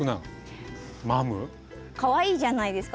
かわいいじゃないですか